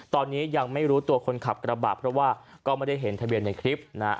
ตอนนี้ยังไม่รู้ตัวคนขับกระบะเพราะว่าก็ไม่ได้เห็นทะเบียนในคลิปนะฮะ